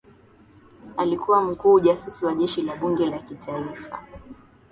alikuwa mkuu ujasusi wa jeshi la bunge la kitaifa